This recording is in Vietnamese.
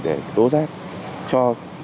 để tố rét cho